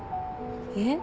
えっ？